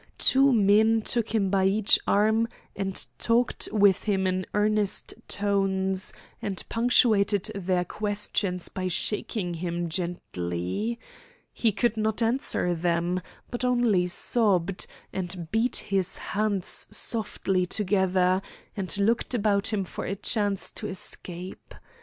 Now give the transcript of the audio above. Two men took him by each arm and talked with him in earnest tones, and punctuated their questions by shaking him gently. He could not answer them, but only sobbed, and beat his hands softly together, and looked about him for a chance to escape.